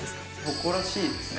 誇らしいですね。